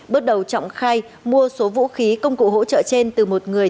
bước đầu trọng khai mua số vũ khí công cụ hỗ trợ trên từ một người